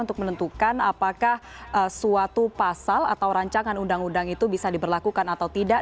untuk menentukan apakah suatu pasal atau rancangan undang undang itu bisa diberlakukan atau tidak